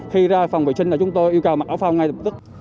khi ra phòng vệ sinh là chúng tôi yêu cầu mặc áo phao ngay lập tức